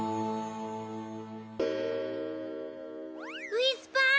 ウィスパー！